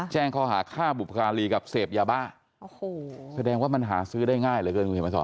แจ้งเขาหาค่าบุปการีกับเสพยาบ้าแสดงว่ามันหาซื้อได้ง่ายเลยเกินคุณเฮฟมันศร